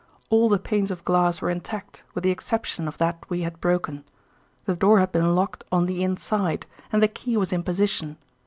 All the panes of glass were intact, with the exception of that we had broken. The door had been locked on the inside, and the key was in position.